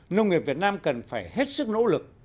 nông nghiệp việt nam cần phải hết sức nỗ lực